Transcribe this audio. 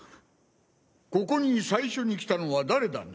ここに最初に来たのは誰だね？